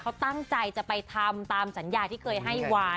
เขาตั้งใจจะไปทำตามสัญญาที่เคยให้ไว้